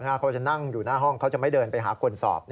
เขาจะนั่งอยู่หน้าห้องเขาจะไม่เดินไปหาคนสอบ